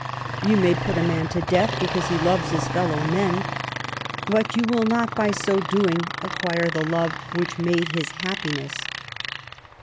You may put a man to death because he loves his fellow men, but you will not by so doing acquire the love which made his happiness.